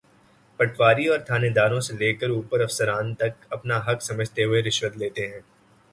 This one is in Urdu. پٹواری اورتھانیداروں سے لے کر اوپر افسران تک اپنا حق سمجھتے ہوئے رشوت لیتے تھے۔